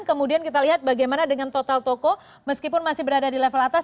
kemudian kita lihat bagaimana dengan total toko meskipun masih berada di level atas